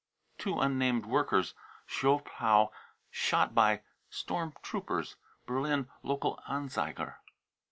two unnamed workers, Zschopau, shot by storm troopers. (Berlin Lokal Anzeiger.)